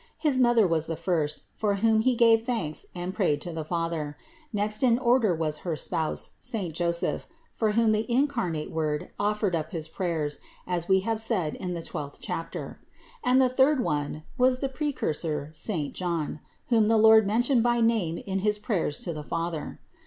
His Mother was the first for whom He gave thanks and prayed to the Father; next in order was her spouse, saint Joseph, for whom the incarnate Word offered up his prayers, as we have said in the twelfth chapter; and the third one was the Pre cursor saint John, whom the Lord mentioned by name in 176 CITY OF GOD his prayers to the Father.